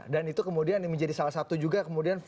dan itu kemudian menjadi salah satu juga kemudian